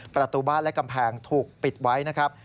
ประตูบ้านและกำแพงถูกปิดไว้นะครับ